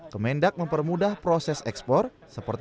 kemendak mempermudah proses ekspor